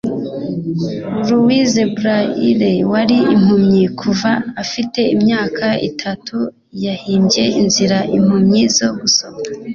Louis S Braille wari impumyi kuva afite imyaka itatu yahimbye inzira impumyi zo gusoma